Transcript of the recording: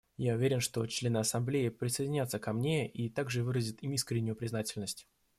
Я уверен, что члены Ассамблеи присоединятся ко мне и также выразят им искреннюю признательность.